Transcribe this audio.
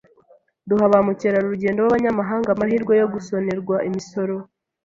Duha ba mukerarugendo b'abanyamahanga amahirwe yo gusonerwa imisoro.